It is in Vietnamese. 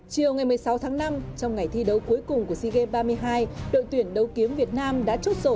chiều ngày một mươi sáu tháng năm trong ngày thi đấu cuối cùng của sea games ba mươi hai đội tuyển đấu kiếm việt nam đã chốt sổ